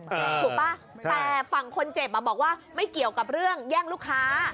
ถูกป่ะแต่ฝั่งคนเจ็บอ่ะบอกว่าไม่เกี่ยวกับเรื่องแย่งลูกค้า